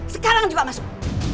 sekarang juga masuk